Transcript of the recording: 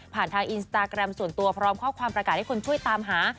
ทางอินสตาแกรมส่วนตัวพร้อมข้อความประกาศให้คนช่วยตามหา